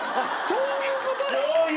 そういうこと！